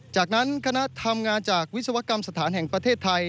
จากนั้นคณะทำงานจากวิศวกรรมสถานแห่งประเทศไทย